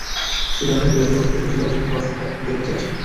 শ্রীলঙ্কায় দুই হাজার বছরের বেশি বয়সী একটি অশ্বত্থ আজও বেঁচে আছে।